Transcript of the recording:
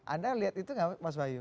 anda lihat itu nggak mas bayu